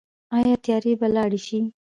آیا تیارې به لاړې شي؟